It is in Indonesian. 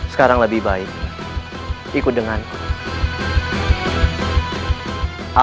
sekarang lebih baik ikut denganku